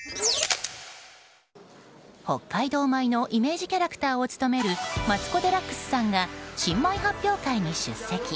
北海道米のイメージキャラクターを務めるマツコ・デラックスさんが新米発表会に出席。